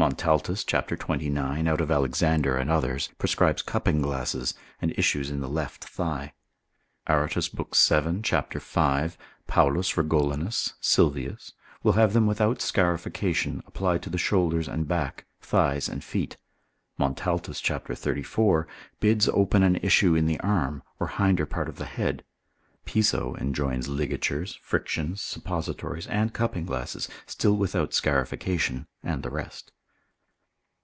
Montaltus cap. 29. out of Alexander and others, prescribes cupping glasses, and issues in the left thigh. Aretus lib. 7. cap. 5. Paulus Regolinus, Sylvius will have them without scarification, applied to the shoulders and back, thighs and feet: Montaltus cap. 34. bids open an issue in the arm, or hinder part of the head. Piso enjoins ligatures, frictions, suppositories, and cupping glasses, still without scarification, and the rest.